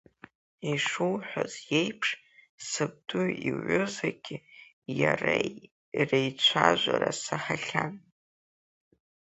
Ишуҳәаз еиԥш, сабду иҩызаки иареи реицәажәара саҳахьан.